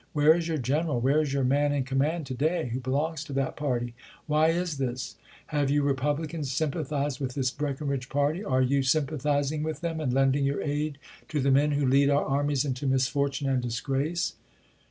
Where is your general, where is your man in command to day who belongs to that party ? Why is this ? Have you Repubhcans sympathized with this Breckinridge party? Are you sympathizing with them, and lending your aid to the men who lead our armies into misfortune and disgrace?